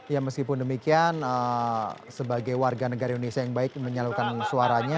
ya meskipun demikian sebagai warga negara indonesia yang baik menyalurkan suaranya